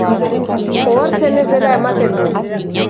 Ohartzen ez dela ematen du.